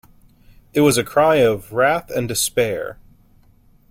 It was a cry of wrath and despair.